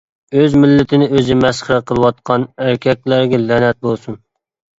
ئۆز مىللىتىنى ئۆزى مەسخىرە قىلىۋاتقان ئەركەكلەرگە لەنەت بولسۇن!